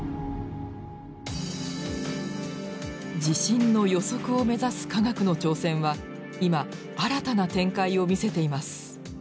地震の予測を目指す科学の挑戦は今新たな展開を見せています。